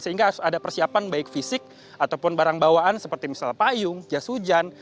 sehingga ada persiapan baik fisik ataupun barang bawaan seperti misalnya payung jas hujan